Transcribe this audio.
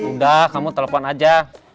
udah kamu telepon aja